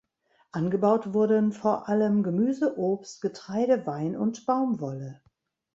Angebaut wurden vor allem Gemüse, Obst, Getreide, Wein und Baumwolle.